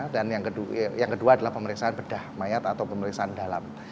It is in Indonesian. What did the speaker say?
dan yang kedua adalah pemeriksaan bedah mayat atau pemeriksaan dalam